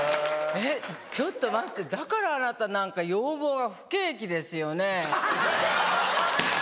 えっちょっと待ってだからあなた何か容貌が不景気ですよね。